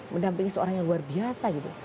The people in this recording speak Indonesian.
mendampingi seorang yang luar biasa gitu